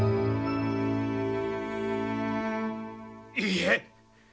いいえ